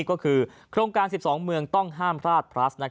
ก็คือโครงการ๑๒เมืองต้องห้ามพลาดพลัส